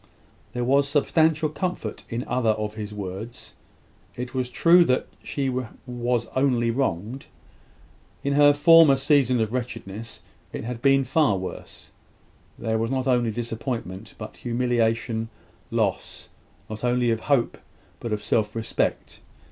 There was substantial comfort in other of his words. It was true that she was only wronged. In her former season of wretchedness, it had been far worse: there was not only disappointment, but humiliation; loss, not only of hope, but of self respect.